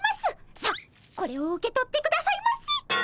さあこれを受け取ってくださいませ。